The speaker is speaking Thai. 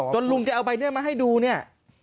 จนลุงจะเอาใบเนื่องมาให้ดูนี่